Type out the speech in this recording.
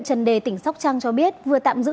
trần đề tỉnh sóc trăng cho biết vừa tạm giữ